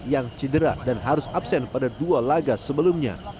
yang cedera dan harus absen pada dua laga sebelumnya